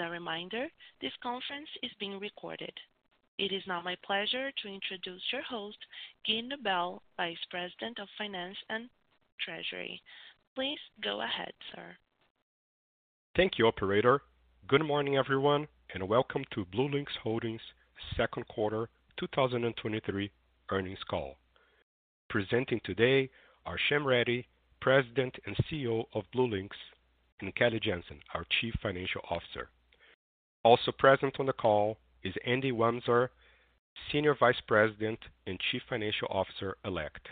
As a reminder, this conference is being recorded. It is now my pleasure to introduce your host, Gui Nebel, Vice President of Finance and Treasury. Please go ahead, sir. Thank you, operator. Good morning, everyone, and welcome to BlueLinx Holdings' second quarter 2023 earnings call. Presenting today are Shyam Reddy, President and CEO of BlueLinx, and Kelly Janzen, our Chief Financial Officer. Also present on the call is Andy Wamser, Senior Vice President and Chief Financial Officer-elect.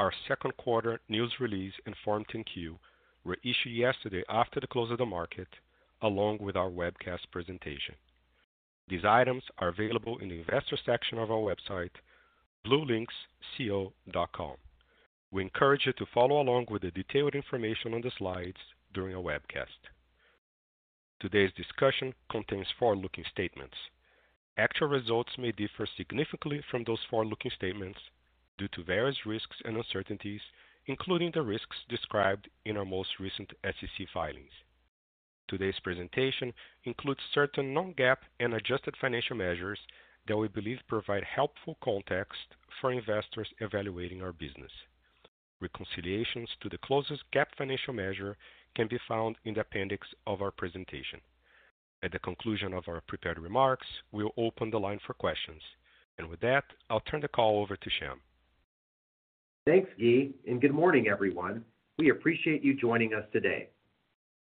Our second quarter news release and Form 10-Q were issued yesterday after the close of the market, along with our webcast presentation. These items are available in the investor section of our website, bluelinxco.com. We encourage you to follow along with the detailed information on the slides during our webcast. Today's discussion contains forward-looking statements. Actual results may differ significantly from those forward-looking statements due to various risks and uncertainties, including the risks described in our most recent SEC filings. Today's presentation includes certain non-GAAP and adjusted financial measures that we believe provide helpful context for investors evaluating our business. Reconciliations to the closest GAAP financial measure can be found in the appendix of our presentation. At the conclusion of our prepared remarks, we'll open the line for questions. With that, I'll turn the call over to Shyam. Thanks, Gui, and good morning, everyone. We appreciate you joining us today.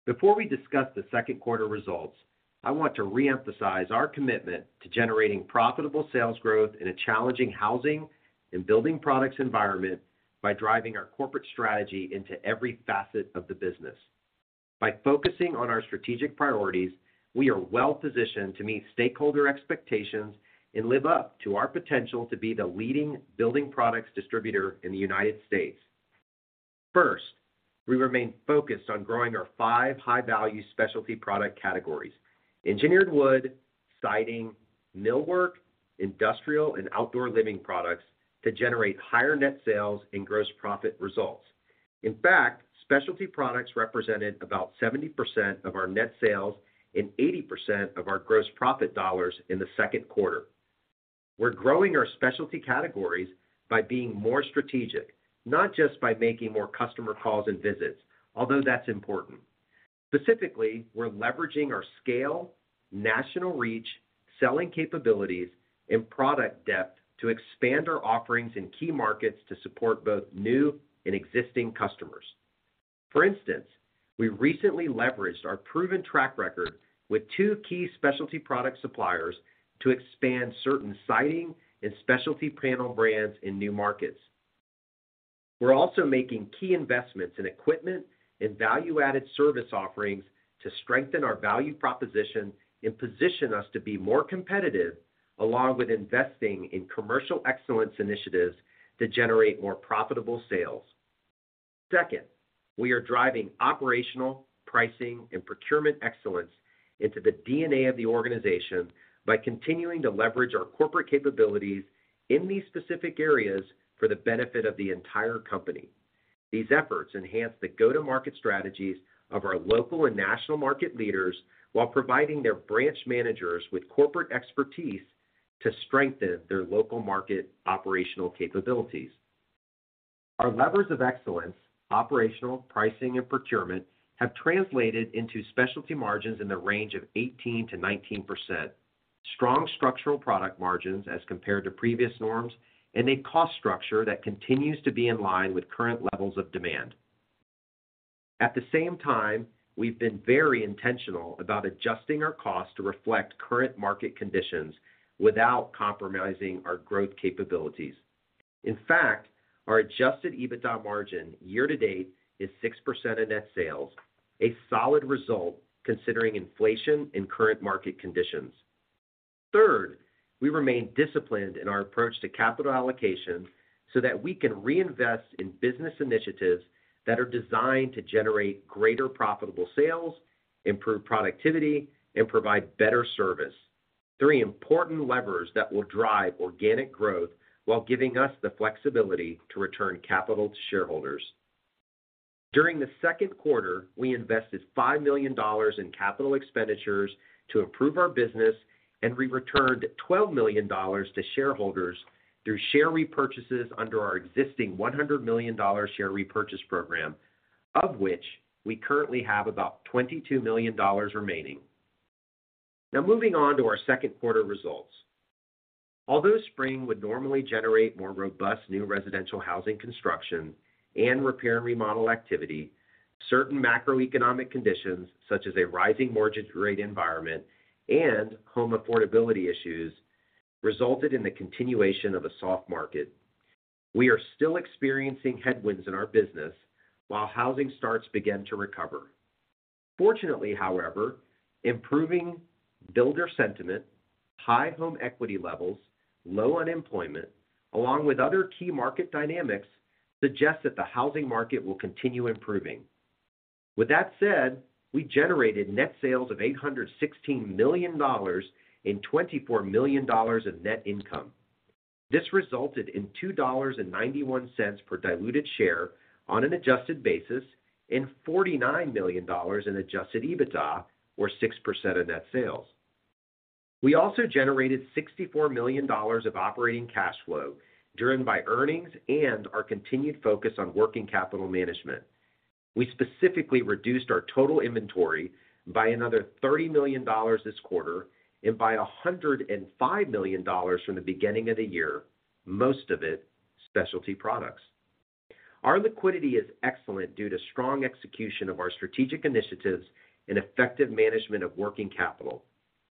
Before we discuss the second quarter results, I want to reemphasize our commitment to generating profitable sales growth in a challenging housing and building products environment by driving our corporate strategy into every facet of the business. By focusing on our strategic priorities, we are well-positioned to meet stakeholder expectations and live up to our potential to be the leading building products distributor in the United States. First, we remain focused on growing our five high-value specialty product categories: engineered wood, siding, millwork, industrial, and outdoor living products to generate higher net sales and gross profit results. In fact, specialty products represented about 70% of our net sales and 80% of our gross profit dollars in the second quarter. We're growing our specialty categories by being more strategic, not just by making more customer calls and visits, although that's important. Specifically, we're leveraging our scale, national reach, selling capabilities, and product depth to expand our offerings in key markets to support both new and existing customers. For instance, we recently leveraged our proven track record with two key specialty product suppliers to expand certain siding and specialty panel brands in new markets. We're also making key investments in equipment and value-added service offerings to strengthen our value proposition and position us to be more competitive, along with investing in commercial excellence initiatives that generate more profitable sales. Second, we are driving operational, pricing, and procurement excellence into the DNA of the organization by continuing to leverage our corporate capabilities in these specific areas for the benefit of the entire company. These efforts enhance the go-to-market strategies of our local and national market leaders while providing their branch managers with corporate expertise to strengthen their local market operational capabilities. Our levers of excellence, operational, pricing, and procurement, have translated into specialty margins in the range of 18%-19%, strong structural product margins as compared to previous norms, and a cost structure that continues to be in line with current levels of demand. At the same time, we've been very intentional about adjusting our costs to reflect current market conditions without compromising our growth capabilities. In fact, our adjusted EBITDA margin year to date is 6% of net sales, a solid result considering inflation and current market conditions. Third, we remain disciplined in our approach to capital allocation so that we can reinvest in business initiatives that are designed to generate greater profitable sales, improve productivity, and provide better service. Three important levers that will drive organic growth while giving us the flexibility to return capital to shareholders. During the second quarter, we invested $5 million in capital expenditures to improve our business, and we returned $12 million to shareholders through share repurchases under our existing $100 million share repurchase program, of which we currently have about $22 million remaining. Now moving on to our second quarter results. Although spring would normally generate more robust new residential housing construction and repair and remodel activity, certain macroeconomic conditions, such as a rising mortgage rate environment and home affordability issues, resulted in the continuation of a soft market. We are still experiencing headwinds in our business while housing starts begin to recover. Fortunately, however, improving builder sentiment, high home equity levels, low unemployment, along with other key market dynamics, suggest that the housing market will continue improving. With that said, we generated net sales of $816 million and $24 million of net income. This resulted in $2.91 per diluted share on an adjusted basis, and $49 million in adjusted EBITDA, or 6% of net sales. We also generated $64 million of operating cash flow, driven by earnings and our continued focus on working capital management. We specifically reduced our total inventory by another $30 million this quarter and by $105 million from the beginning of the year, most of it, specialty products. Our liquidity is excellent due to strong execution of our strategic initiatives and effective management of working capital.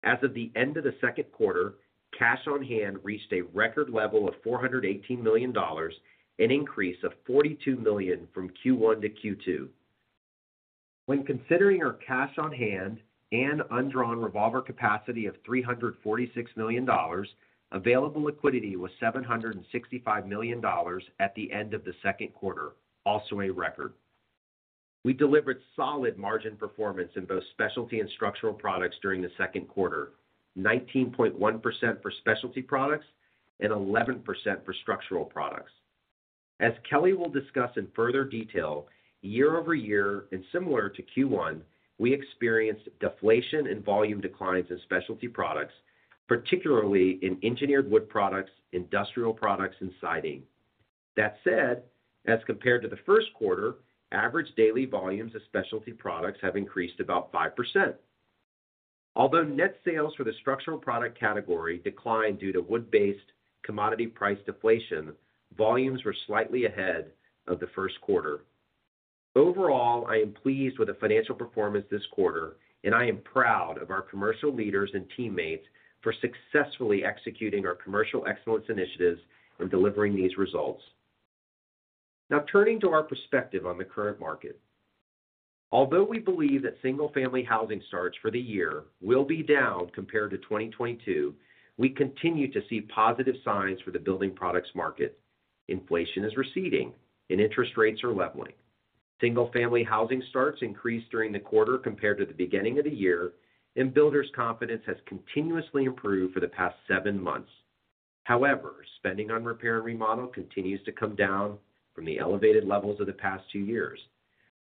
As of the end of the second quarter, cash on hand reached a record level of $418 million, an increase of $42 million from Q1 to Q2. When considering our cash on hand and undrawn revolver capacity of $346 million, available liquidity was $765 million at the end of the second quarter, also a record. We delivered solid margin performance in both specialty and structural products during the second quarter. 19.1% for specialty products and 11% for structural products. As Kelly will discuss in further detail, year-over-year, and similar to Q1, we experienced deflation and volume declines in specialty products, particularly in Engineered Wood Products, industrial products, and siding. That said, as compared to the first quarter, average daily volumes of specialty products have increased about 5%. Although net sales for the structural product category declined due to wood-based commodity price deflation, volumes were slightly ahead of the first quarter. Overall, I am pleased with the financial performance this quarter, and I am proud of our commercial leaders and teammates for successfully executing our commercial excellence initiatives and delivering these results. Now, turning to our perspective on the current market. Although we believe that single-family housing starts for the year will be down compared to 2022, we continue to see positive signs for the building products market. Inflation is receding and interest rates are leveling. Single-family housing starts increased during the quarter compared to the beginning of the year, and builders' confidence has continuously improved for the past 7 months. Spending on repair and remodel continues to come down from the elevated levels of the past 2 years.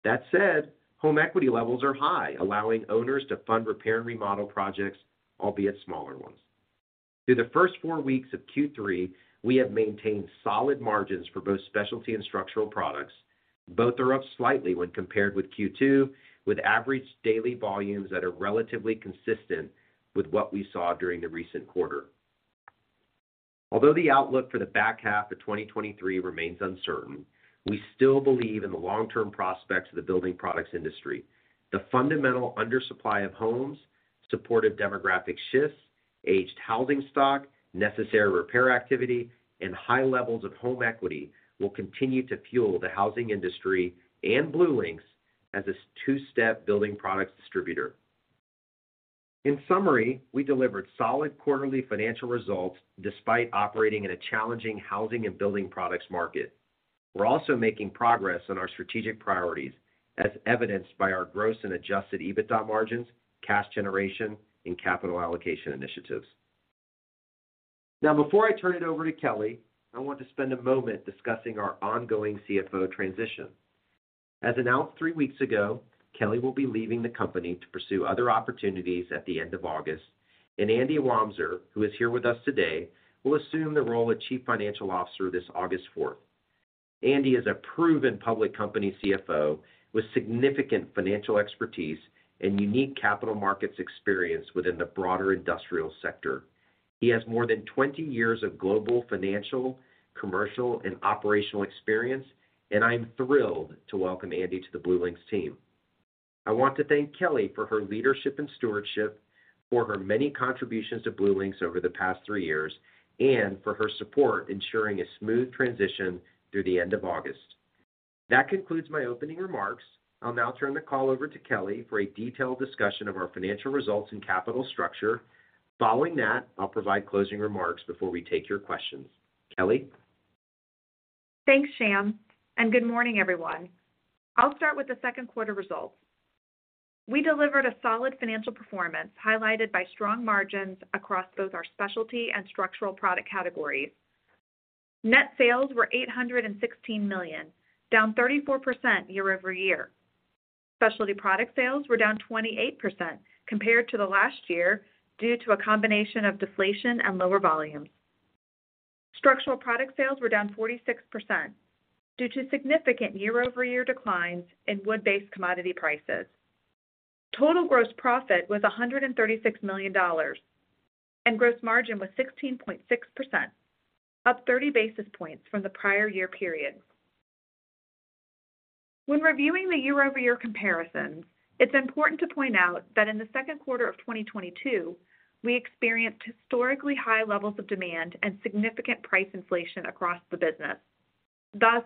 That said, home equity levels are high, allowing owners to fund repair and remodel projects, albeit smaller ones. Through the first 4 weeks of Q3, we have maintained solid margins for both specialty and structural products. Both are up slightly when compared with Q2, with average daily volumes that are relatively consistent with what we saw during the recent quarter. The outlook for the back half of 2023 remains uncertain, we still believe in the long-term prospects of the building products industry. The fundamental undersupply of homes, supportive demographic shifts, aged housing stock, necessary repair activity, and high levels of home equity will continue to fuel the housing industry and BlueLinx as a two-step building products distributor. In summary, we delivered solid quarterly financial results despite operating in a challenging housing and building products market. We're also making progress on our strategic priorities, as evidenced by our gross and adjusted EBITDA margins, cash generation, and capital allocation initiatives. Before I turn it over to Kelly, I want to spend a moment discussing our ongoing CFO transition. As announced three weeks ago, Kelly will be leaving the company to pursue other opportunities at the end of August, Andy Wamser, who is here with us today, will assume the role of Chief Financial Officer this August fourth. Andy is a proven public company CFO with significant financial expertise and unique capital markets experience within the broader industrial sector. He has more than 20 years of global financial, commercial, and operational experience, I'm thrilled to welcome Andy to the BlueLinx team. I want to thank Kelly for her leadership and stewardship, for her many contributions to BlueLinx over the past three years, and for her support ensuring a smooth transition through the end of August. That concludes my opening remarks. I'll now turn the call over to Kelly for a detailed discussion of our financial results and capital structure. Following that, I'll provide closing remarks before we take your questions. Kelly? Thanks, Shyam, good morning, everyone. I'll start with the second quarter results. We delivered a solid financial performance, highlighted by strong margins across both our specialty and structural product categories. Net sales were $816 million, down 34% year-over-year. Specialty product sales were down 28% compared to the last year due to a combination of deflation and lower volumes. Structural product sales were down 46% due to significant year-over-year declines in wood-based commodity prices. Total gross profit was $136 million, and gross margin was 16.6%, up 30 basis points from the prior year period. When reviewing the year-over-year comparisons, it's important to point out that in the second quarter of 2022, we experienced historically high levels of demand and significant price inflation across the business. Thus,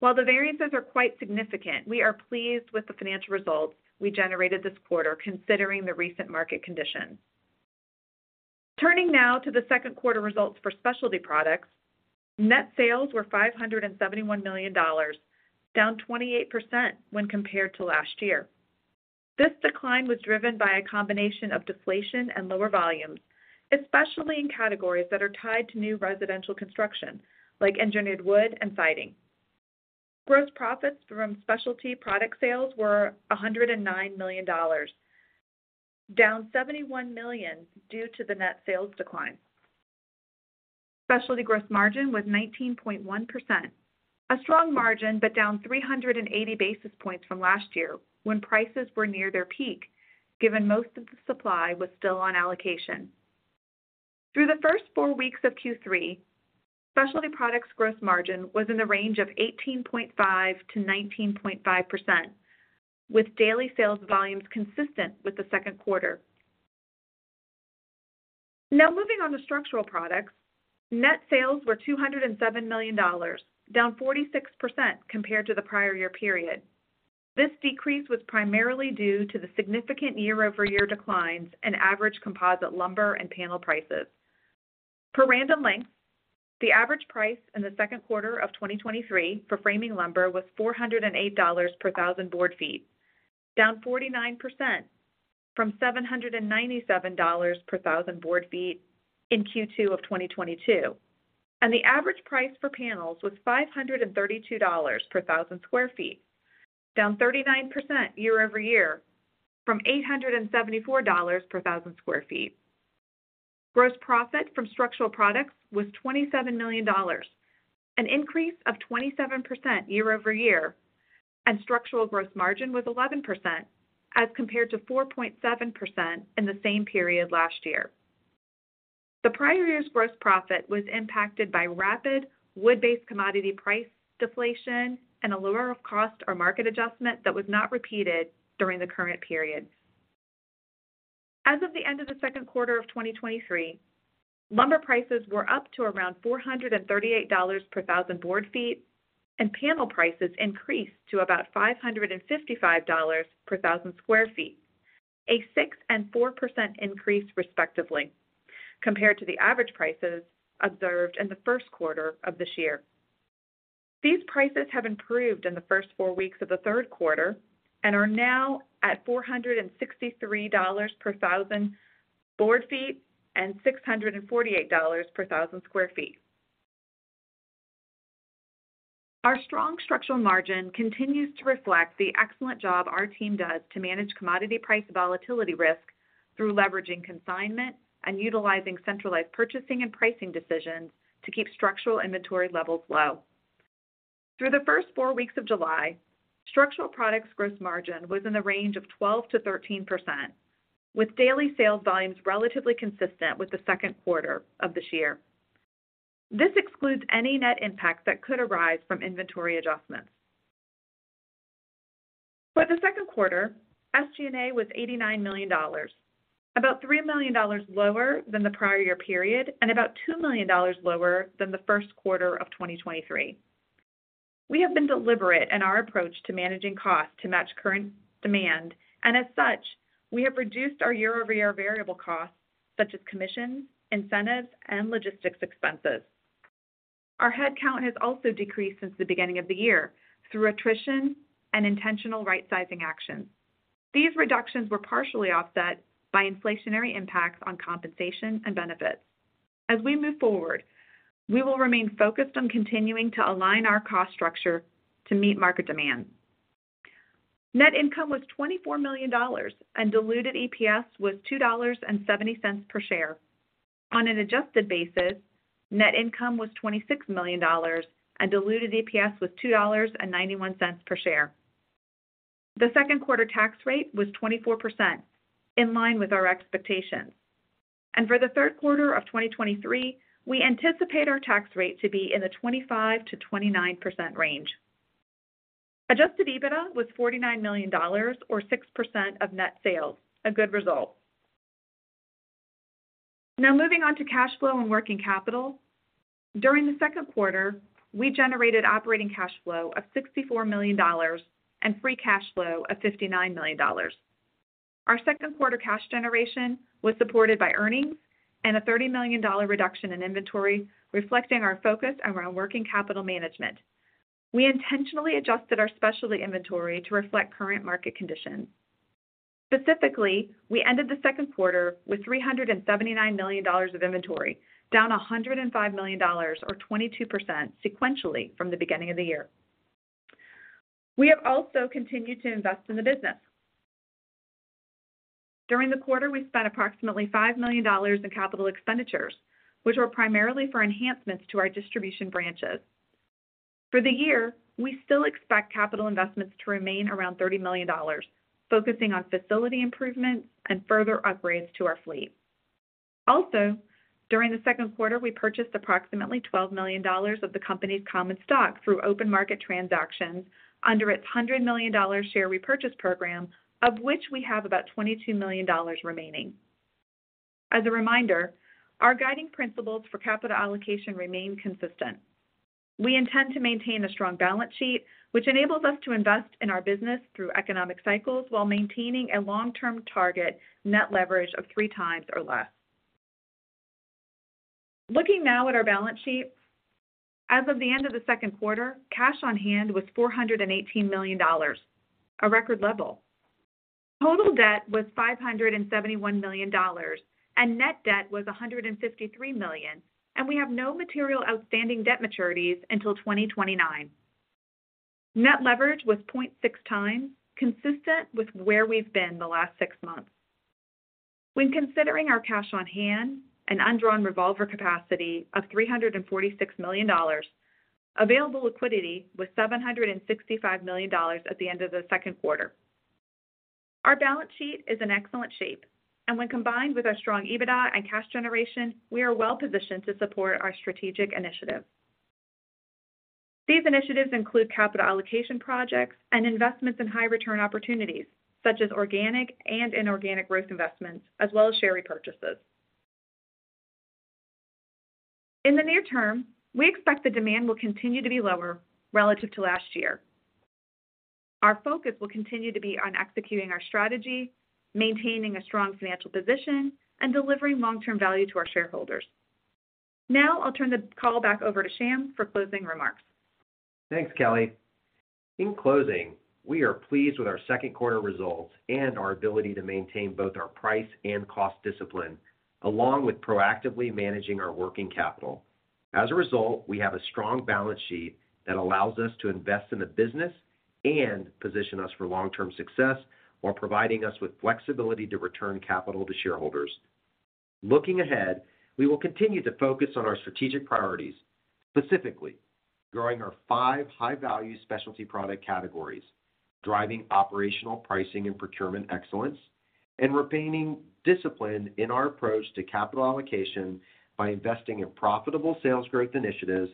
while the variances are quite significant, we are pleased with the financial results we generated this quarter, considering the recent market conditions. Turning now to the second quarter results for specialty products. Net sales were $571 million, down 28% when compared to last year. This decline was driven by a combination of deflation and lower volumes, especially in categories that are tied to new residential construction, like engineered wood and siding. Gross profits from specialty product sales were $109 million, down $71 million due to the net sales decline. Specialty gross margin was 19.1%, a strong margin, but down 380 basis points from last year when prices were near their peak, given most of the supply was still on allocation. Through the first 4 weeks of Q3, specialty products gross margin was in the range of 18.5%-19.5%, with daily sales volumes consistent with the second quarter. Now, moving on to structural products. Net sales were $207 million, down 46% compared to the prior year period. This decrease was primarily due to the significant year-over-year declines in average composite lumber and panel prices. Per Random Lengths, the average price in the second quarter of 2023 for framing lumber was $408 per thousand board feet, down 49% from $797 per thousand board feet in Q2 of 2022. The average price for panels was $532 per thousand square feet, down 39% year-over-year from $874 per thousand square feet. Gross profit from structural products was $27 million, an increase of 27% year-over-year, and structural gross margin was 11%, as compared to 4.7% in the same period last year. The prior year's gross profit was impacted by rapid wood-based commodity price deflation and a lower cost or market adjustment that was not repeated during the current period. As of the end of the second quarter of 2023, lumber prices were up to around $438 per thousand board feet, and panel prices increased to about $555 per thousand square feet, a 6% and 4% increase, respectively, compared to the average prices observed in the first quarter of this year. These prices have improved in the first four weeks of the third quarter and are now at $463 per 1,000 board feet and $648 per 1,000 sq ft. Our strong structural margin continues to reflect the excellent job our team does to manage commodity price volatility risk through leveraging consignment and utilizing centralized purchasing and pricing decisions to keep structural inventory levels low. Through the first four weeks of July, structural products gross margin was in the range of 12%-13%, with daily sales volumes relatively consistent with the second quarter of this year. This excludes any net impacts that could arise from inventory adjustments. For the second quarter, SG&A was $89 million, about $3 million lower than the prior year period and about $2 million lower than the first quarter of 2023. We have been deliberate in our approach to managing costs to match current demand, and as such, we have reduced our year-over-year variable costs, such as commissions, incentives, and logistics expenses. Our headcount has also decreased since the beginning of the year through attrition and intentional rightsizing actions. These reductions were partially offset by inflationary impacts on compensation and benefits. As we move forward, we will remain focused on continuing to align our cost structure to meet market demand. Net income was $24 million, and diluted EPS was $2.70 per share. On an adjusted basis, net income was $26 million, and diluted EPS was $2.91 per share. The second quarter tax rate was 24%, in line with our expectations. For the third quarter of 2023, we anticipate our tax rate to be in the 25%-29% range. Adjusted EBITDA was $49 million, or 6% of net sales. A good result. Now, moving on to cash flow and working capital. During the second quarter, we generated operating cash flow of $64 million and free cash flow of $59 million. Our second quarter cash generation was supported by earnings and a $30 million reduction in inventory, reflecting our focus on our working capital management. We intentionally adjusted our specialty inventory to reflect current market conditions. Specifically, we ended the second quarter with $379 million of inventory, down $105 million or 22% sequentially from the beginning of the year. We have also continued to invest in the business. During the quarter, we spent approximately $5 million in capital expenditures, which were primarily for enhancements to our distribution branches. For the year, we still expect capital investments to remain around $30 million, focusing on facility improvements and further upgrades to our fleet. During the second quarter, we purchased approximately $12 million of the company's common stock through open market transactions under its $100 million share repurchase program, of which we have about $22 million remaining. As a reminder, our guiding principles for capital allocation remain consistent. We intend to maintain a strong balance sheet, which enables us to invest in our business through economic cycles while maintaining a long-term target net leverage of 3 times or less....Looking now at our balance sheet, as of the end of the second quarter, cash on hand was $418 million, a record level. Total debt was $571 million, and net debt was $153 million, and we have no material outstanding debt maturities until 2029. Net leverage was 0.6x, consistent with where we've been the last six months. When considering our cash on hand and undrawn revolver capacity of $346 million, available liquidity was $765 million at the end of the second quarter. Our balance sheet is in excellent shape, and when combined with our strong EBITDA and cash generation, we are well positioned to support our strategic initiatives. These initiatives include capital allocation projects and investments in high return opportunities, such as organic and inorganic growth investments, as well as share repurchases. In the near term, we expect the demand will continue to be lower relative to last year. Our focus will continue to be on executing our strategy, maintaining a strong financial position, and delivering long-term value to our shareholders. Now I'll turn the call back over to Shyam for closing remarks. Thanks, Kelly. In closing, we are pleased with our second quarter results and our ability to maintain both our price and cost discipline, along with proactively managing our working capital. As a result, we have a strong balance sheet that allows us to invest in the business and position us for long-term success, while providing us with flexibility to return capital to shareholders. Looking ahead, we will continue to focus on our strategic priorities, specifically growing our five high-value specialty product categories, driving operational, pricing, and procurement excellence, and retaining discipline in our approach to capital allocation by investing in profitable sales growth initiatives,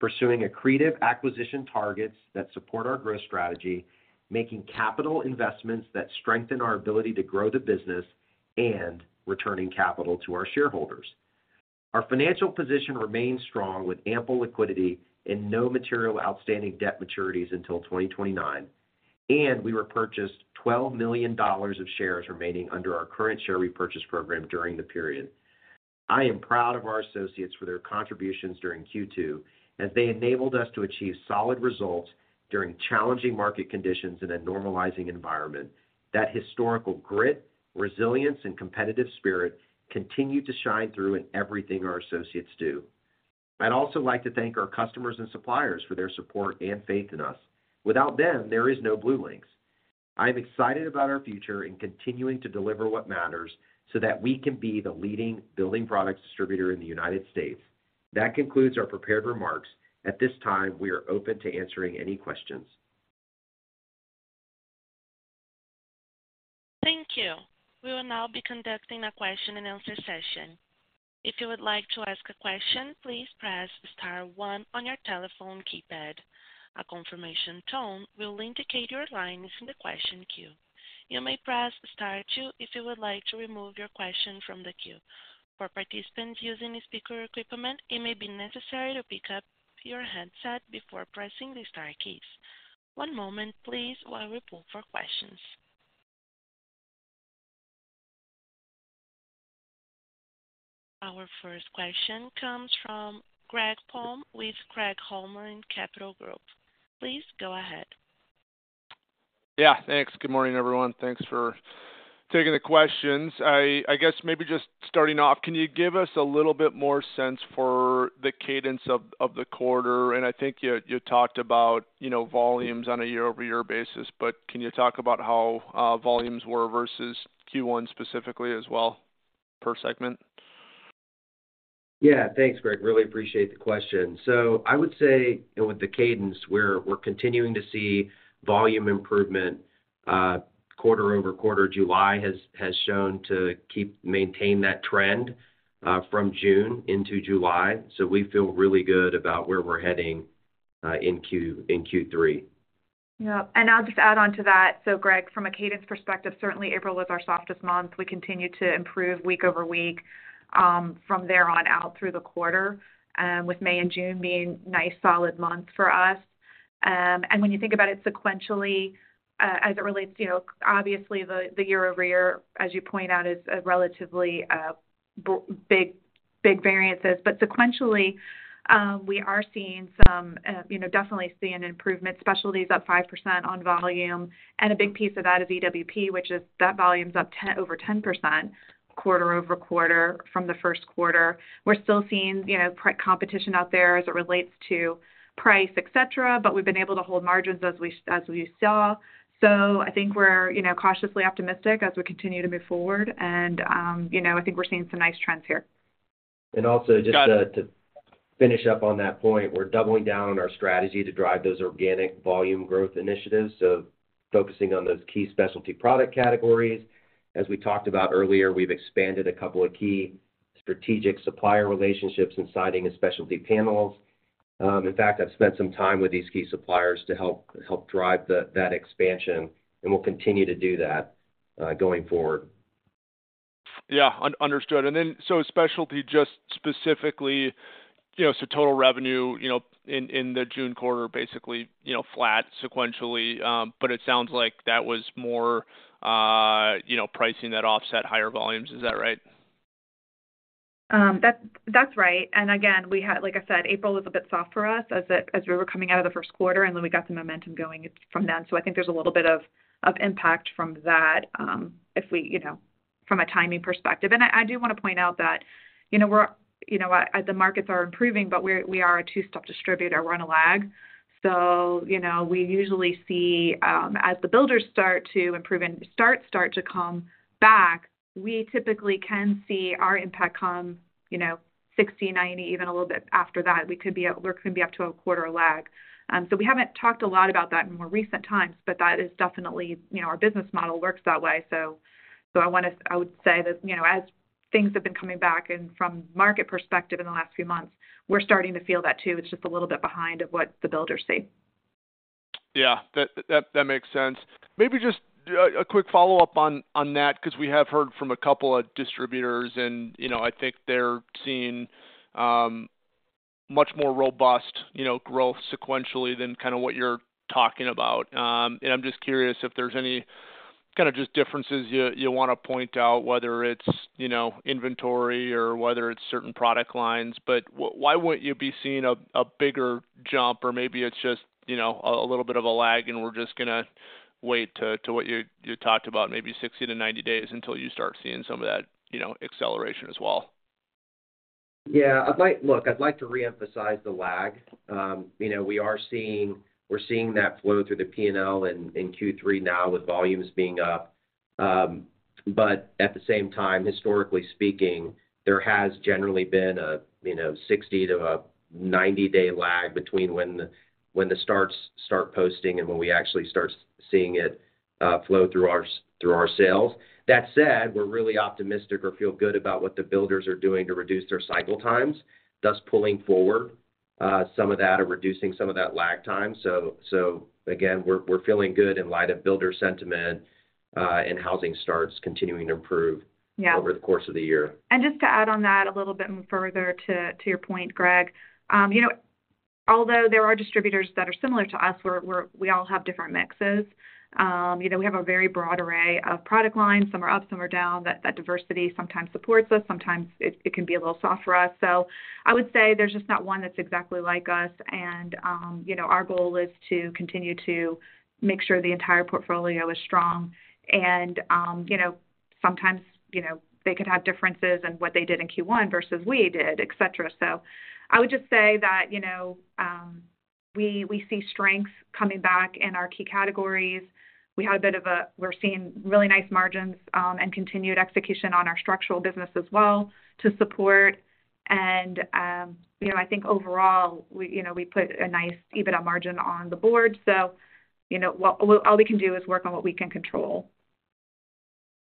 pursuing accretive acquisition targets that support our growth strategy, making capital investments that strengthen our ability to grow the business, and returning capital to our shareholders. Our financial position remains strong, with ample liquidity and no material outstanding debt maturities until 2029, and we repurchased $12 million of shares remaining under our current share repurchase program during the period. I am proud of our associates for their contributions during Q2, as they enabled us to achieve solid results during challenging market conditions in a normalizing environment. That historical grit, resilience, and competitive spirit continue to shine through in everything our associates do. I'd also like to thank our customers and suppliers for their support and faith in us. Without them, there is no BlueLinx. I am excited about our future and continuing to deliver what matters so that we can be the leading building product distributor in the United States. That concludes our prepared remarks. At this time, we are open to answering any questions. Thank you. We will now be conducting a question-and-answer session. If you would like to ask a question, please press star one on your telephone keypad. A confirmation tone will indicate your line is in the question queue. You may press star two if you would like to remove your question from the queue. For participants using speaker equipment, it may be necessary to pick up your headset before pressing the star keys. One moment please while we pull for questions. Our first question comes from Greg Palm with Craig-Hallum Capital Group. Please go ahead. Yeah, thanks. Good morning, everyone. Thanks for taking the questions. I guess maybe just starting off, can you give us a little bit more sense for the cadence of the quarter? I think you talked about, you know, volumes on a year-over-year basis, but can you talk about how volumes were versus Q1 specifically as well, per segment? Yeah. Thanks, Greg. Really appreciate the question. I would say with the cadence, we're continuing to see volume improvement quarter-over-quarter. July has shown to maintain that trend from June into July, so we feel really good about where we're heading in Q3. I'll just add on to that. Greg, from a cadence perspective, certainly April was our softest month. We continued to improve week-over-week, from there on out through the quarter, with May and June being nice, solid months for us. When you think about it sequentially, as it relates to, you know, obviously, the year-over-year, as you point out, is a relatively big, big variances. Sequentially, we are seeing some, You know, definitely seeing improvement. Specialty is up 5% on volume, and a big piece of that is EWP, that volume is up 10, over 10% quarter-over-quarter from the first quarter. We're still seeing, you know, pri- competition out there as it relates to price, et cetera, but we've been able to hold margins as we saw. I think we're, you know, cautiously optimistic as we continue to move forward, and, you know, I think we're seeing some nice trends here. And also, just. Got it. to finish up on that point, we're doubling down on our strategy to drive those organic volume growth initiatives, so focusing on those key specialty product categories. As we talked about earlier, we've expanded a couple of key strategic supplier relationships in siding and specialty panels. In fact, I've spent some time with these key suppliers to help drive that expansion, and we'll continue to do that going forward. Yeah, understood. Specialty, just specifically-... You know, total revenue, you know, in the June quarter, basically, you know, flat sequentially. It sounds like that was more, you know, pricing that offset higher volumes. Is that right? That, that's right. Again, we had, like I said, April was a bit soft for us as we were coming out of the first quarter, and then we got the momentum going it's from then. I think there's a little bit of, of impact from that, if we, you know, from a timing perspective. I, I do wanna point out that, you know, we're, you know, the markets are improving, but we're, we are a two-step distributor. We're on a lag. You know, we usually see, as the builders start to improve and starts, start to come back, we typically can see our impact come, you know, 60, 90, even a little bit after that. We could be, we could be up to a quarter lag. We haven't talked a lot about that in more recent times, but that is definitely. You know, our business model works that way. I would say that, you know, as things have been coming back and from market perspective in the last few months, we're starting to feel that too. It's just a little bit behind of what the builders see. Yeah, that, that, that makes sense. Maybe just a, a quick follow-up on, on that, 'cause we have heard from a couple of distributors, and, you know, I think they're seeing much more robust, you know, growth sequentially than kind of what you're talking about. And I'm just curious if there's any kind of just differences you, you wanna point out, whether it's, you know, inventory or whether it's certain product lines. But why wouldn't you be seeing a, a bigger jump? Or maybe it's just, you know, a, a little bit of a lag, and we're just gonna wait to, to what you, you talked about, maybe 60 to 90 days until you start seeing some of that, you know, acceleration as well. Yeah. I'd like to reemphasize the lag. You know, we're seeing that flow through the P&L in Q3 now with volumes being up. At the same time, historically speaking, there has generally been a, you know, 60 to a 90-day lag between when the, when the starts start posting and when we actually start seeing it flow through our sales. That said, we're really optimistic or feel good about what the builders are doing to reduce their cycle times, thus pulling forward some of that or reducing some of that lag time. Again, we're feeling good in light of builder sentiment and housing starts continuing to improve. Yeah over the course of the year. Just to add on that a little bit further to, to your point, Greg. You know, although there are distributors that are similar to us, we all have different mixes. You know, we have a very broad array of product lines. Some are up, some are down. That, that diversity sometimes supports us, sometimes it, it can be a little soft for us. I would say there's just not one that's exactly like us. You know, our goal is to continue to make sure the entire portfolio is strong. You know, sometimes, you know, they could have differences in what they did in Q1 versus we did, et cetera. I would just say that, you know, we, we see strengths coming back in our key categories. We're seeing really nice margins and continued execution on our structural business as well to support. You know, I think overall, we, you know, we put a nice EBITDA margin on the board. You know, all we can do is work on what we can control.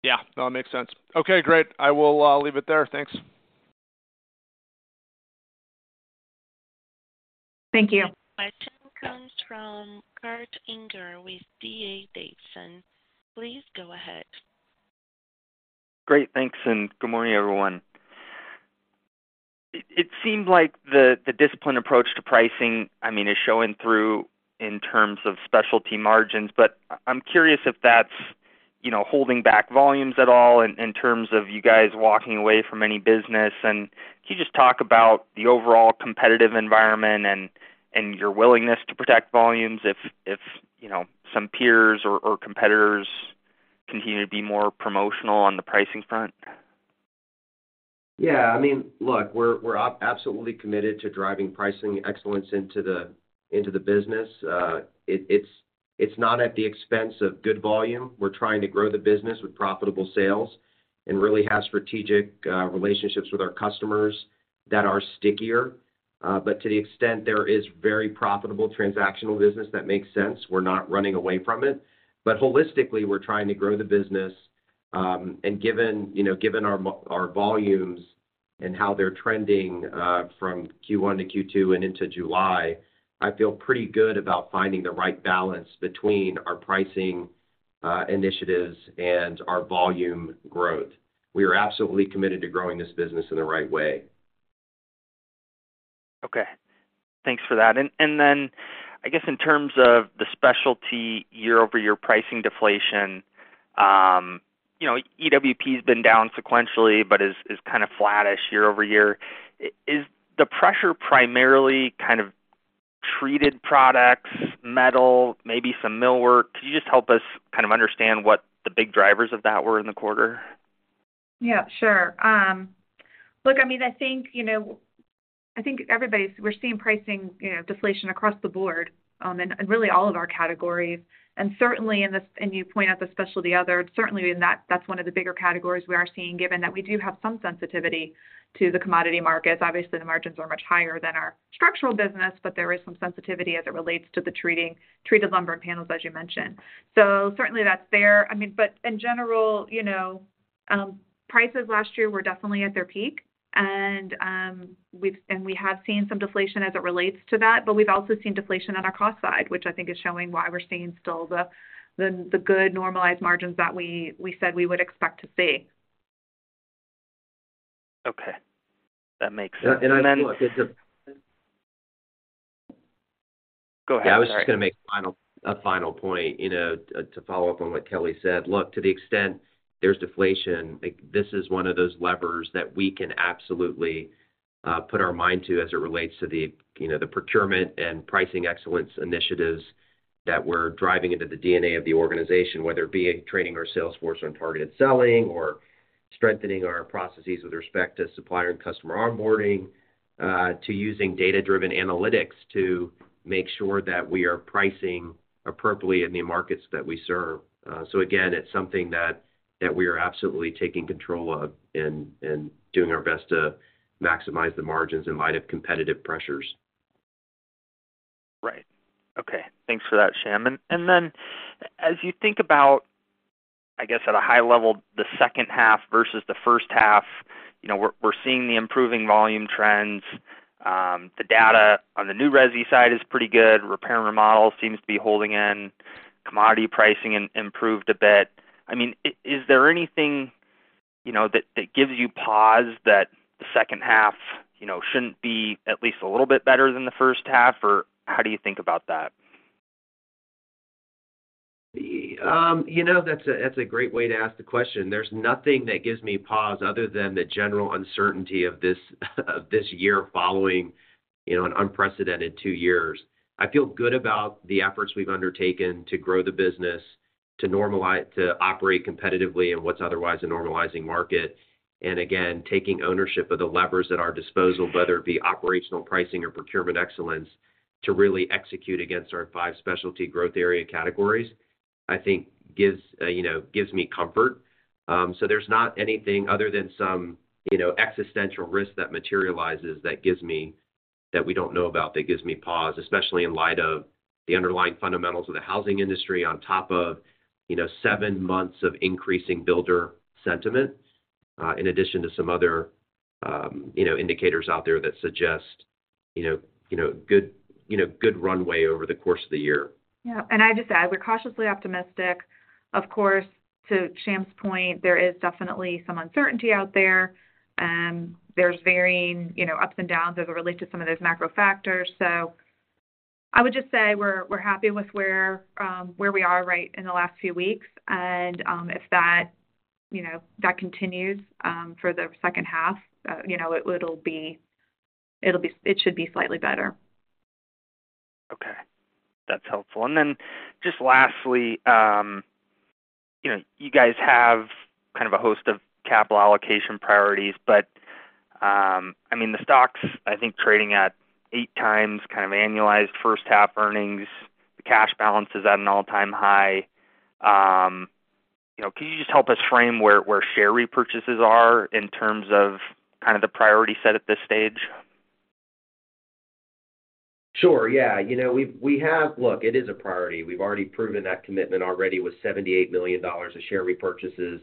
Yeah, no, it makes sense. Okay, great. I will leave it there. Thanks. Thank you. Our question comes from Kurt Yinger with D.A. Davidson. Please go ahead. Great. Thanks. Good morning, everyone. It, it seemed like the, the disciplined approach to pricing, I mean, is showing through in terms of specialty margins, but I- I'm curious if that's, you know, holding back volumes at all in, in terms of you guys walking away from any business. Can you just talk about the overall competitive environment and, and your willingness to protect volumes if, if, you know, some peers or, or competitors continue to be more promotional on the pricing front? Yeah, I mean, look, we're, we're absolutely committed to driving pricing excellence into the business. It's, it's not at the expense of good volume. We're trying to grow the business with profitable sales and really have strategic relationships with our customers that are stickier. To the extent there is very profitable transactional business, that makes sense. We're not running away from it. Holistically, we're trying to grow the business. Given, you know, given our volumes and how they're trending from Q1 to Q2 and into July, I feel pretty good about finding the right balance between our pricing initiatives and our volume growth. We are absolutely committed to growing this business in the right way. Okay. Thanks for that. Then I guess in terms of the specialty year-over-year pricing deflation, you know, EWP has been down sequentially, but is kind of flattish year-over-year. Is the pressure primarily kind of treated products, metal, maybe some millwork? Could you just help us kind of understand what the big drivers of that were in the quarter? Yeah, sure. Look, I mean, I think, you know, I think we're seeing pricing, you know, deflation across the board, and really all of our categories. Certainly, you point out the specialty other, certainly in that, that's one of the bigger categories we are seeing, given that we do have some sensitivity to the commodity markets. Obviously, the margins are much higher than our structural business, but there is some sensitivity as it relates to the treated lumber and panels, as you mentioned. Certainly that's there. I mean, in general, you know, prices last year were definitely at their peak, and we have seen some deflation as it relates to that, but we've also seen deflation on our cost side, which I think is showing why we're seeing still the, the, the good normalized margins that we, we said we would expect to see. Okay, that makes sense. And I think- Go ahead. I was just going to make final, a final point, you know, to follow up on what Kelly said. Look, to the extent there's deflation, like, this is one of those levers that we can absolutely, put our mind to as it relates to the, you know, the procurement and pricing excellence initiatives that we're driving into the DNA of the organization, whether it be training our sales force on targeted selling or strengthening our processes with respect to supplier and customer onboarding, to using data-driven analytics to make sure that we are pricing appropriately in the markets that we serve. Again, it's something that, that we are absolutely taking control of and, and doing our best to maximize the margins in light of competitive pressures. Right. Okay. Thanks for that, Shyam. Then as you think about, I guess, at a high level, the second half versus the first half, you know, we're, we're seeing the improving volume trends. The data on the new resi side is pretty good. Repair and remodel seems to be holding in. Commodity pricing improved a bit. I mean, is there anything, you know, that, that gives you pause that the second half, you know, shouldn't be at least a little bit better than the first half? Or how do you think about that? You know, that's a, that's a great way to ask the question. There's nothing that gives me pause other than the general uncertainty of this, of this year following, you know, an unprecedented two years. I feel good about the efforts we've undertaken to grow the business, to normalize, to operate competitively in what's otherwise a normalizing market. Again, taking ownership of the levers at our disposal, whether it be operational pricing or procurement excellence, to really execute against our five specialty growth area categories, I think gives, you know, gives me comfort. There's not anything other than some, you know, existential risk that materializes, that we don't know about, that gives me pause, especially in light of the underlying fundamentals of the housing industry on top of, you know, seven months of increasing builder sentiment, in addition to some other, you know, indicators out there that suggest, you know, you know, good, you know, good runway over the course of the year. Yeah. I'd just add, we're cautiously optimistic. Of course, to Shyam's point, there is definitely some uncertainty out there. There's varying, you know, ups and downs as it relates to some of those macro factors. I would just say we're, we're happy with where, where we are, right, in the last few weeks. If that, you know, that continues, for the second half, it should be slightly better. Okay. That's helpful. Then just lastly, you know, you guys have kind of a host of capital allocation priorities, but, I mean, the stock's, I think, trading at eight times kind of annualized first half earnings. The cash balance is at an all-time high. You know, can you just help us frame where, where share repurchases are in terms of kind of the priority set at this stage? Sure, yeah. You know, it is a priority. We've already proven that commitment already with $78 million of share repurchases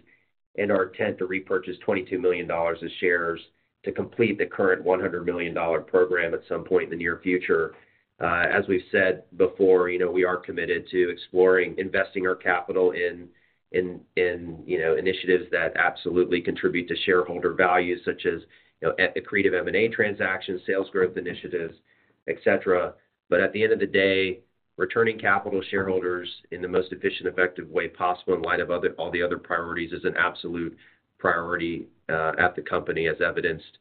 and our intent to repurchase $22 million of shares to complete the current $100 million program at some point in the near future. As we've said before, you know, we are committed to exploring, investing our capital in, you know, initiatives that absolutely contribute to shareholder value, such as, you know, accretive M&A transactions, sales growth initiatives, et cetera. At the end of the day, returning capital to shareholders in the most efficient, effective way possible in light of all the other priorities, is an absolute priority at the company, as evidenced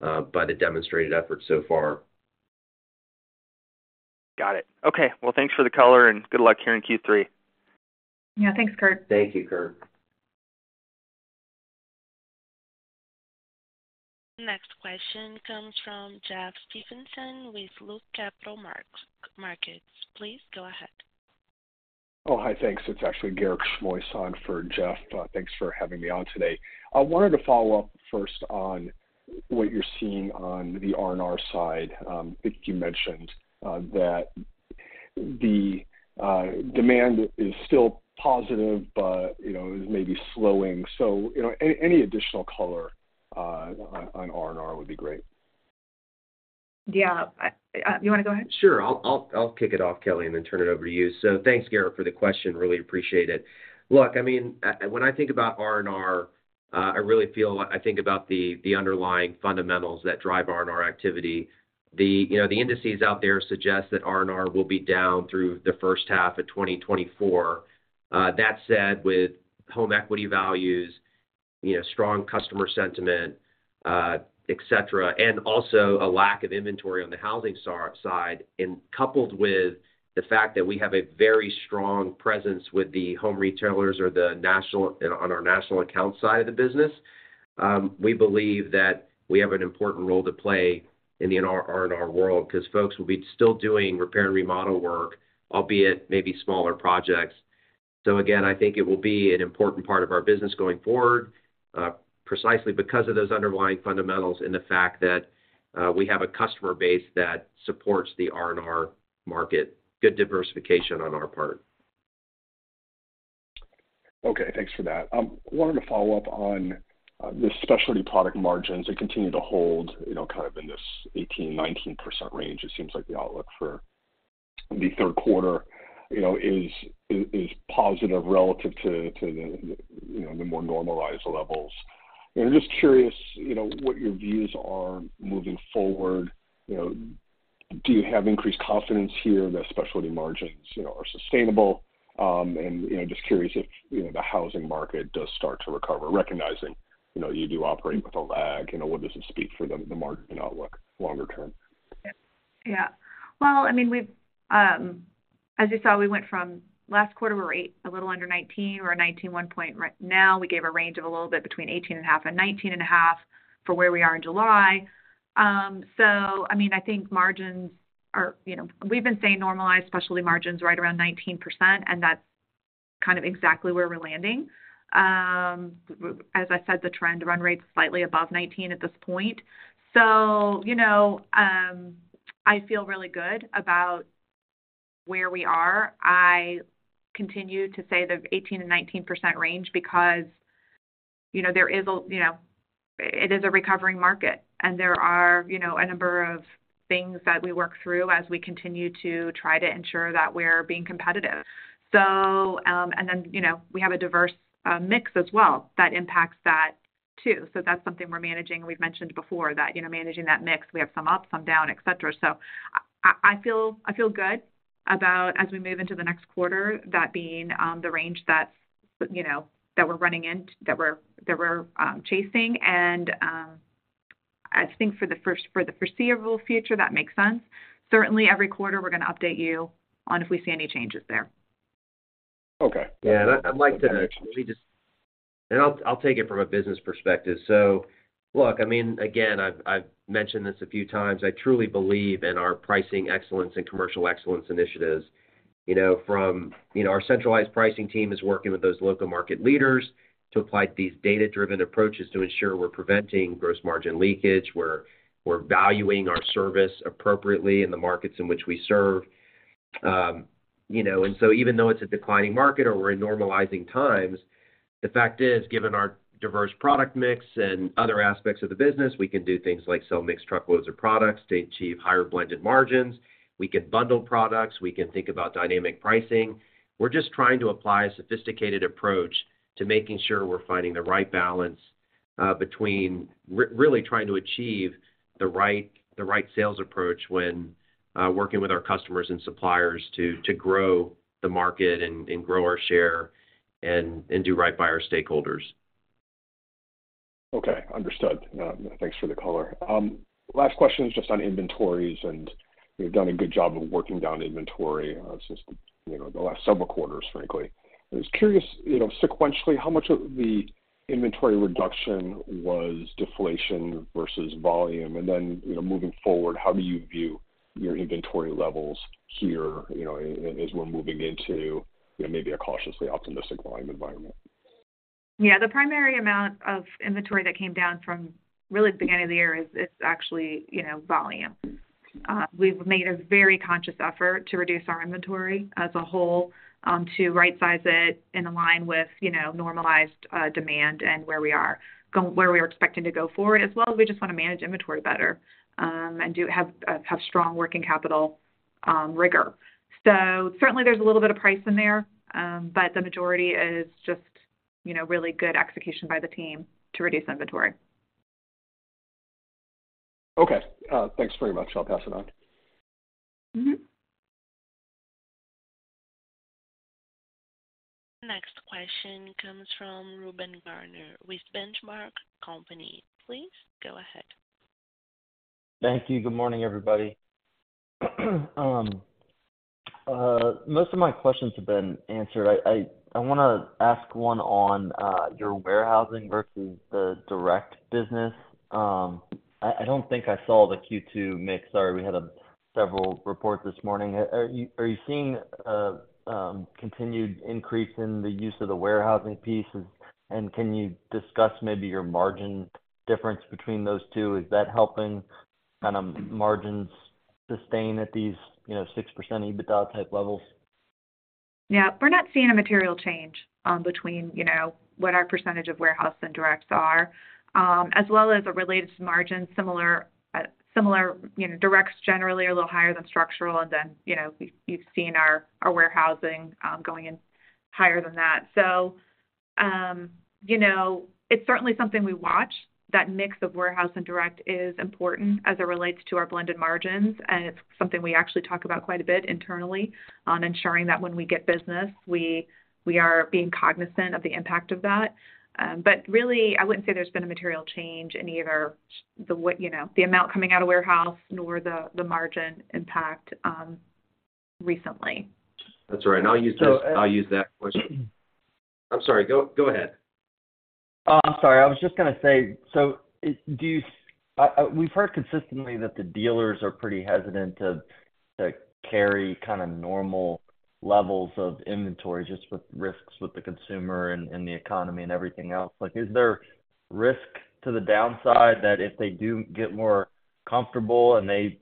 by the demonstrated efforts so far. Got it. Okay, well, thanks for the color and good luck here in Q3. Yeah, thanks, Kurt. Thank you, Kurt. Next question comes from Jeffrey Stevenson with Loop Capital Markets. Please go ahead. Oh, hi. Thanks. It's actually Garrett Shmois on for Jeff. Thanks for having me on today. I wanted to follow up first on what you're seeing on the R&R side. You mentioned that the demand is still positive, but, you know, it may be slowing. You know, any, any additional color on, on R&R would be great. Yeah. I, you want to go ahead? Sure. I'll, I'll, I'll kick it off, Kelly Janzen, and then turn it over to you. Thanks, Garrett, for the question. Really appreciate it. Look, I mean, when I think about R&R, I think about the, the underlying fundamentals that drive R&R activity. The, you know, the indices out there suggest that R&R will be down through the first half of 2024. That said, with home equity values, you know, strong customer sentiment, et cetera, and also a lack of inventory on the housing side, and coupled with the fact that we have a very strong presence with the home retailers or the national, you know, on our national account side of the business, we believe that we have an important role to play in the R&R world because folks will be still doing repair and remodel work, albeit maybe smaller projects. Again, I think it will be an important part of our business going forward, precisely because of those underlying fundamentals and the fact that we have a customer base that supports the R&R market. Good diversification on our part. Okay, thanks for that. Wanted to follow up on the specialty product margins. They continue to hold, you know, kind of in this 18%-19% range. It seems like the outlook the third quarter, you know, is, is, is positive relative to, to the, you know, the more normalized levels. I'm just curious, you know, what your views are moving forward. You know, do you have increased confidence here that specialty margins, you know, are sustainable? You know, just curious if, you know, the housing market does start to recover, recognizing, you know, you do operate with a lag, what does it speak for the, the market and outlook longer term? Yeah. Well, I mean, we've, as you saw, we went from last quarter, we were 8%, a little under 19%, we're 19.1% right now. We gave a range of a little bit between 18.5% and 19.5% for where we are in July. I mean, I think margins are, you know, we've been saying normalized specialty margins right around 19%, and that's kind of exactly where we're landing. As I said, the trend run rate's slightly above 19% at this point. You know, I feel really good about where we are. I continue to say the 18%-19% range because, you know, there is a, you know, it is a recovering market, and there are, you know, a number of things that we work through as we continue to try to ensure that we're being competitive. You know, we have a diverse mix as well that impacts that too. That's something we're managing. We've mentioned before that, you know, managing that mix, we have some up, some down, et cetera. I, I, I feel, I feel good about as we move into the next quarter, that being the range that, you know, that we're running in, that we're, that we're chasing. I think for the foreseeable future, that makes sense. Certainly, every quarter we're gonna update you on if we see any changes there. Okay. Yeah, I'd, I'd like to actually just. I'll, I'll take it from a business perspective. Look, I mean, again, I've, I've mentioned this a few times. I truly believe in our pricing excellence and commercial excellence initiatives. You know, from, you know, our centralized pricing team is working with those local market leaders to apply these data-driven approaches to ensure we're preventing gross margin leakage, we're, we're valuing our service appropriately in the markets in which we serve. You know, even though it's a declining market or we're in normalizing times, the fact is, given our diverse product mix and other aspects of the business, we can do things like sell mixed truckloads of products to achieve higher blended margins. We can bundle products, we can think about dynamic pricing. We're just trying to apply a sophisticated approach to making sure we're finding the right balance, between really trying to achieve the right sales approach when, working with our customers and suppliers to, to grow the market and, and grow our share and, and do right by our stakeholders. Okay, understood. thanks for the color. Last question is just on inventories, and you've done a good job of working down inventory since, you know, the last several quarters, frankly. I was curious, you know, sequentially, how much of the inventory reduction was deflation versus volume? Then, you know, moving forward, how do you view your inventory levels here, you know, as we're moving into, you know, maybe a cautiously optimistic volume environment? Yeah, the primary amount of inventory that came down from really the beginning of the year is, is actually, you know, volume. We've made a very conscious effort to reduce our inventory as a whole to rightsize it and align with, you know, normalized demand and where we are where we are expecting to go forward. As well, we just want to manage inventory better and do... have strong working capital rigor. Certainly, there's a little bit of price in there, but the majority is just, you know, really good execution by the team to reduce inventory. Okay, thanks very much. I'll pass it on. Next question comes from Reuben Garner with The Benchmark Company. Please go ahead. Thank you. Good morning, everybody. Most of my questions have been answered. I wanna ask one on your warehousing versus the direct business. I don't think I saw the Q2 mix. Sorry, we had several reports this morning. Are you seeing continued increase in the use of the warehousing piece? Can you discuss maybe your margin difference between those two? Is that helping kind of margins sustain at these, you know, 6% EBITDA type levels? Yeah. We're not seeing a material change between, you know, what our percentage of warehouse and directs are, as well as it relates to margin. Similar, similar, you know, directs generally are a little higher than structural, and then, you've, you've seen our warehousing going in higher than that. You know, it's certainly something we watch. That mix of warehouse and direct is important as it relates to our blended margins, and it's something we actually talk about quite a bit internally on ensuring that when we get business, we, we are being cognizant of the impact of that. Really, I wouldn't say there's been a material change in either the what, you know, the amount coming out of warehouse nor the, the margin impact, recently. That's all right. I'll use this- So- I'll use that question. I'm sorry, go, go ahead. Oh, I'm sorry. I was just gonna say, so do you, we've heard consistently that the dealers are pretty hesitant to, to carry kind of normal levels of inventory, just with risks with the consumer and, and the economy and everything else. Like, is there risk to the downside that if they do get more comfortable and they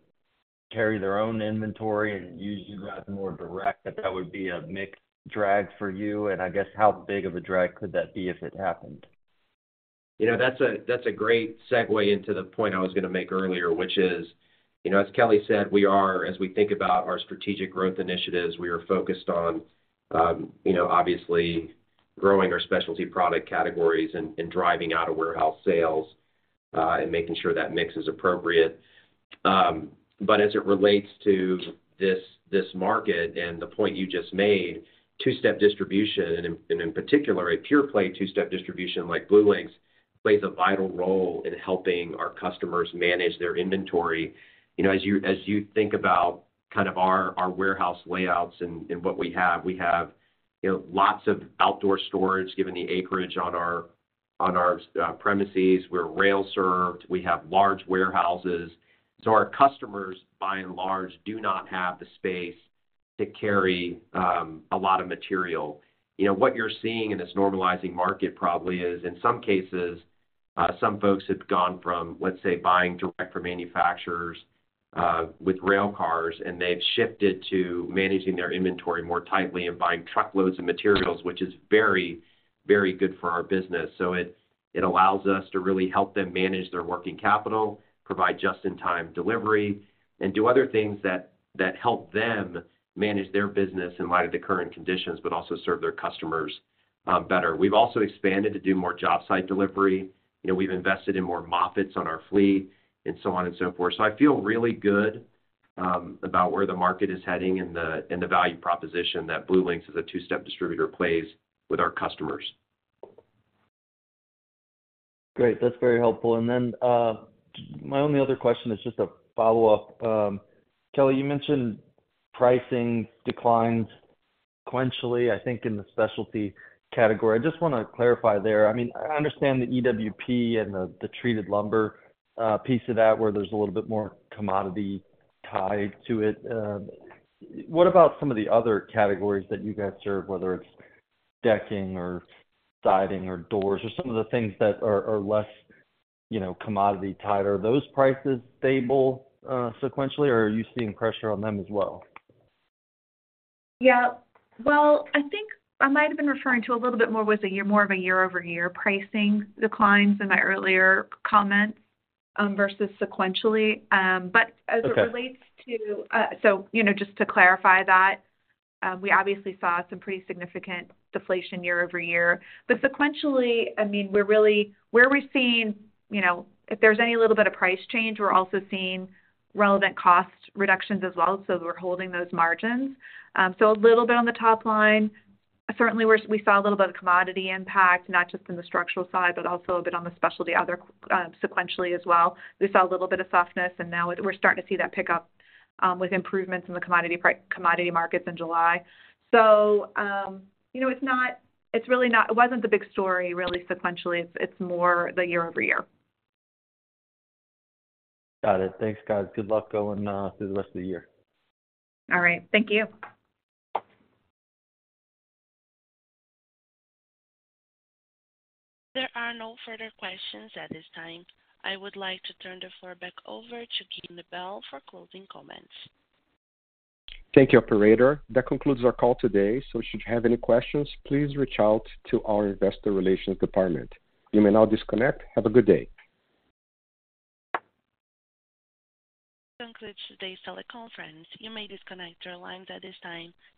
carry their own inventory and use you guys more direct, that that would be a mix drag for you? I guess, how big of a drag could that be if it happened? You know, that's a, that's a great segue into the point I was gonna make earlier, which is, you know, as Kelly said, we are, as we think about our strategic growth initiatives, we are focused on, you know, obviously growing our specialty product categories and, and driving out-of-warehouse sales, and making sure that mix is appropriate. As it relates to this, this market and the point you just made, two-step distribution, and in particular, a pure-play two-step distribution like BlueLinx, plays a vital role in helping our customers manage their inventory. You know, as you, as you think about kind of our, our warehouse layouts and, and what we have, we have, you know, lots of outdoor storage, given the acreage on our, on our premises. We're rail-served. We have large warehouses. Our customers, by and large, do not have the space to carry a lot of material. You know, what you're seeing in this normalizing market probably is, in some cases, some folks have gone from, let's say, buying direct from manufacturers with rail cars, and they've shifted to managing their inventory more tightly and buying truckloads of materials, which is very, very good for our business. It allows us to really help them manage their working capital, provide just-in-time delivery, and do other things that help them manage their business in light of the current conditions, but also serve their customers better. We've also expanded to do more job site delivery. You know, we've invested in more Moffett on our fleet and so on and so forth. I feel really good, about where the market is heading and the, and the value proposition that BlueLinx as a two-step distributor plays with our customers. Great. That's very helpful. Then, my only other question is just a follow-up. Kelly, you mentioned pricing declines sequentially, I think, in the specialty category. I just wanna clarify there. I mean, I understand the EWP and the, the treated lumber, piece of that, where there's a little bit more commodity tied to it. What about some of the other categories that you guys serve, whether it's decking or siding or doors, or some of the things that are, are less, you know, commodity-tied? Are those prices stable, sequentially, or are you seeing pressure on them as well? Yeah. Well, I think I might have been referring to a little bit more with a year, more of a year-over-year pricing declines in my earlier comments, versus sequentially. Okay. As it relates to, you know, just to clarify that, we obviously saw some pretty significant deflation year-over-year. Sequentially, I mean, we're really. Where we're seeing, you know, if there's any little bit of price change, we're also seeing relevant cost reductions as well, so we're holding those margins. A little bit on the top line. Certainly, we saw a little bit of commodity impact, not just in the structural side, but also a bit on the specialty other, sequentially as well. We saw a little bit of softness, and now we're starting to see that pick up with improvements in the commodity markets in July. You know, it's really not, it wasn't the big story really sequentially. It's, it's more the year-over-year. Got it. Thanks, guys. Good luck going through the rest of the year. All right. Thank you. There are no further questions at this time. I would like to turn the floor back over to Gui Nebel for closing comments. Thank you, operator. That concludes our call today. Should you have any questions, please reach out to our investor relations department. You may now disconnect. Have a good day. This concludes today's teleconference. You may disconnect your lines at this time. Thank you.